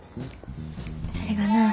それがな